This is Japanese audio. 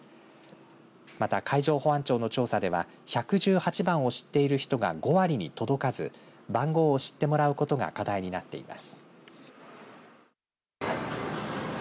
また、海上保安庁の調査では１１８番を知っている人が５割に届かず番号を知ってもらうことが課題になっています。